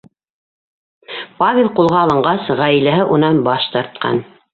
Павел ҡулға алынғас, ғаиләһе унан баш тартҡан.